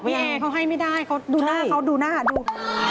พี่แอเค้าให้ไม่ได้ดูหน้าอ่ะก็ดู